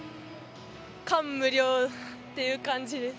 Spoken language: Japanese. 感無量っていう感じです。